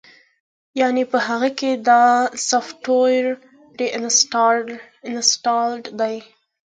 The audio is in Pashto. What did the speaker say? يعنې پۀ هغۀ کښې دا سافټوېر پري انسټالډ دے